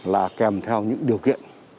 là kèm theo những điều kiện